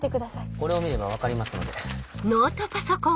これを見れば分かりますので。